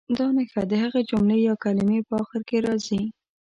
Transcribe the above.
دا نښه د هغې جملې یا کلمې په اخر کې راځي.